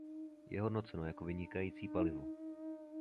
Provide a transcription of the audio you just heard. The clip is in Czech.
Je hodnoceno jako vynikající palivo.